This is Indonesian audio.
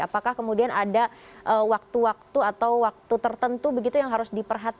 apakah kemudian ada waktu waktu atau waktu tertentu begitu yang harus diperhatikan